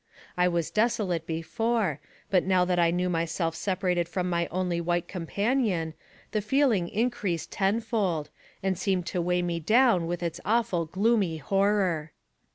I was desolate before, but now that I knew myself separated from my only white companion, the feeling increased tenfold, and seemed to weigh me down with its awful gloomy horror.